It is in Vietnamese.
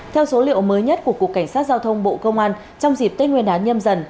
theo số liệu mới nhất của cục cảnh sát giao thông bộ công an trong dịp tết nguyên đán nhâm dần